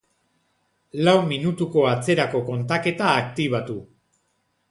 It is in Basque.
Lau minutuko atzerako kontaketa aktibatu.